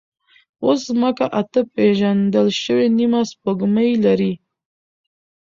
اوس ځمکه اته پېژندل شوې نیمه سپوږمۍ لري.